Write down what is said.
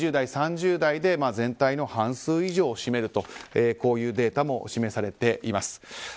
２０代、３０代で全体の半数以上を占めるというデータも示されています。